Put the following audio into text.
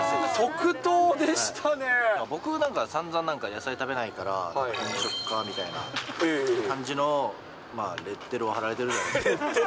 僕、なんか散々、野菜食べないから、偏食かみたいな感じのレッテルを貼られてるじゃないですか。